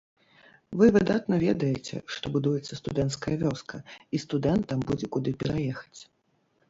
Вы выдатна ведаеце, што будуецца студэнцкая вёска, і студэнтам будзе куды пераехаць.